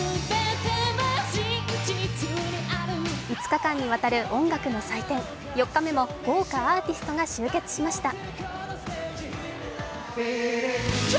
５日間にわたる音楽の祭典４日目も豪華アーティストが集結しました。